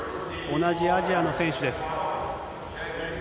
同じアジアの選手です。